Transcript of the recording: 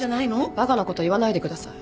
バカなこと言わないでください。